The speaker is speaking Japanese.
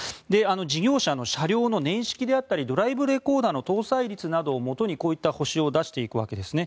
事業者の車両の年式であったりドライブレコーダーの搭載率などをもとにこういった星を出していくわけです。